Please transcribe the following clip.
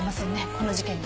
この事件に。